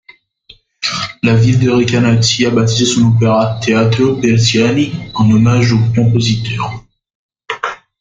La ville de Recanati a baptisé son opéra Teatro Persiani en hommage au compositeur.